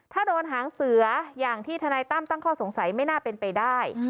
ถ้าโดนหางเสืออย่างที่ทนายตั้มตั้งข้อสงสัยไม่น่าเป็นไปได้